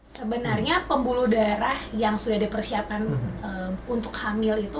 sebenarnya pembuluh darah yang sudah dipersiapkan untuk hamil itu